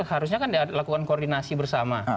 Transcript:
harusnya kan dilakukan koordinasi bersama